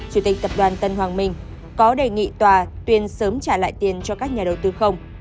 chủ tịch tập đoàn tân hoàng minh có đề nghị tòa tuyên sớm trả lại tiền cho các nhà đầu tư không